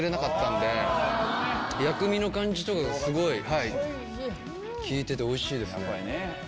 薬味の感じとかがすごい効いてておいしいです。